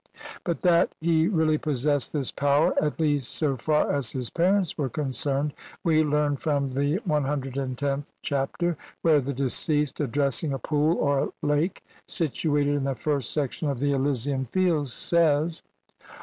But that he really possessed this power, at least so far as his parents were concerned, we learn from the CXth Chapter, where the deceased, addressing a pool or lake situated in the first section of the Elysian Fields, says (see p.